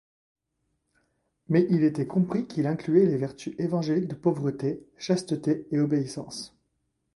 Mais il était compris qu’il incluait les vertus évangéliques de pauvreté, chasteté et obéissance.